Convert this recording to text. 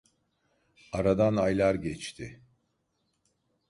Aradan aylar geçti.